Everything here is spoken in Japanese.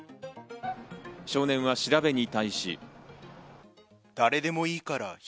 少年は調べに対し。